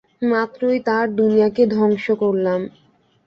মাত্রই তার দুনিয়াকে ধ্বংস করলাম।